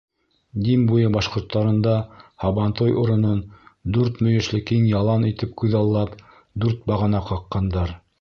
Дим буйы башҡорттарында һабантуй урынын дүрт мөйөшлө киң ялан итеп күҙаллап, дүрт бағана ҡаҡҡандар.